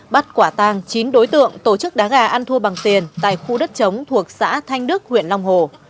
bắt quả tang chín đối tượng tổ chức đá gà ăn thua bằng tiền tại khu đất chống thuộc xã thanh đức huyện long hồ